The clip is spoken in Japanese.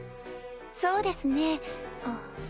そうですねあっ。